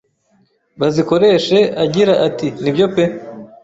bazikoreshe agira ati nibyo pe